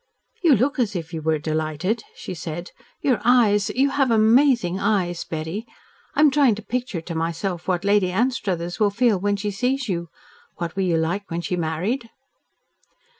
"You look as if you were delighted," she said. "Your eyes you have amazing eyes, Betty! I am trying to picture to myself what Lady Anstruthers will feel when she sees you. What were you like when she married?"